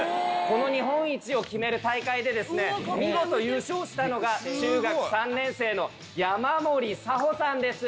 この日本一を決める大会でですね見事優勝したのが中学３年生の山森さほさんです。